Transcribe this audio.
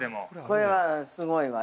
◆これは、すごいわ。